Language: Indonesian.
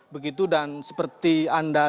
begitu dan seperti anda